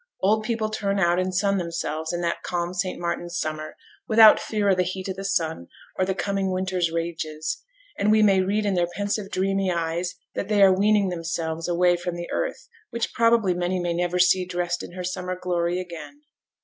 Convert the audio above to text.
Old people turn out and sun themselves in that calm St. Martin's summer, without fear of 'the heat o' th' sun, or the coming winter's rages,' and we may read in their pensive, dreamy eyes that they are weaning themselves away from the earth, which probably many may never see dressed in her summer glory again.